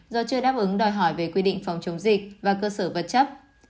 do chưa đáp ứng đòi hỏi về quy định phòng chống dịch và cơ sở vật chất